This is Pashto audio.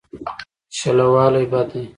شلوالی بد دی.